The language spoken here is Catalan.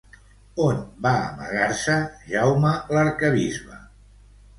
On va amagar-se, Jaume l'arquebisbe?